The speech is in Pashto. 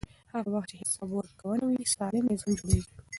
هغه وخت چې حساب ورکونه وي، سالم نظام جوړېږي.